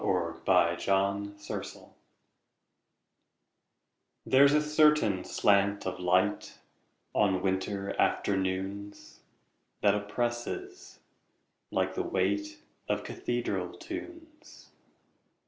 Part Two: Nature LXXXII THERE'S a certain slant of light, On winter afternoons, That oppresses, like the weightOf cathedral tunes.